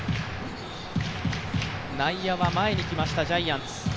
内野は前に来ましたジャイアンツ。